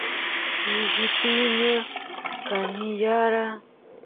shishi piña kaniyara